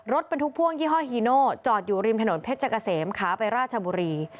รถบรรทุกพ่วงยี่ห้อฮีโน่จอดอยู่ริมถนนเพชรเกษมขาไปราชบุรี